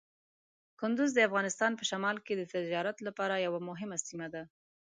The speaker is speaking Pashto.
کندز د افغانستان په شمال کې د تجارت لپاره یوه مهمه سیمه ده.